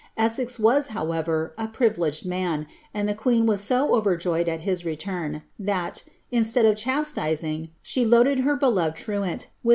Essex was, however, a privileged man, and the queen was so overjoyed at his k tuin, thai, instead of chastising, she loaded her beloved truant wiL*!